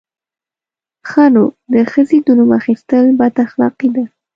_ښه نو، د ښځې د نوم اخيستل بد اخلاقي ده!